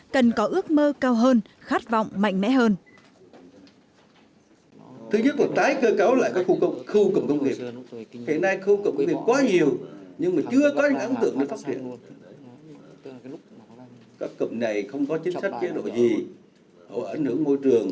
cần có ước mơ cao hơn khát vọng mạnh mẽ hơn